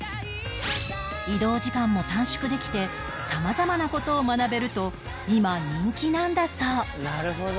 移動時間も短縮できて様々な事を学べると今人気なんだそう